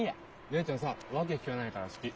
姉ちゃんさ訳聞かないから好き。